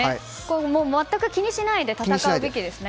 全く気にしないで戦うべきですね。